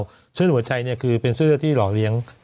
เส้นเลือดหัวใจคือเป็นเส้นเลือดที่หล่อเลี้ยง